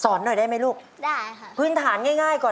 ซอนหน่อยได้ไหมลูกพื้นฐานง่ายก่อน